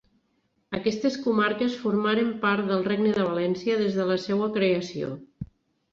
Aquestes comarques formaren part del Regne de València des de la seua creació.